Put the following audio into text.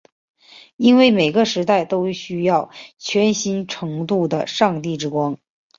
因为每个时代都需要全新程度的上帝之光。